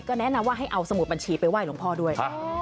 แนะนำว่าให้เอาสมุดบัญชีไปไห้หลวงพ่อด้วย